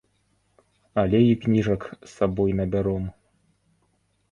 Але і кніжак з сабой набяром?